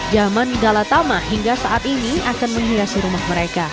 zaman galatama hingga saat ini akan menghiasi rumah mereka